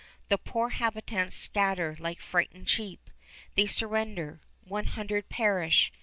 The poor habitants scatter like frightened sheep; they surrender; one hundred perish.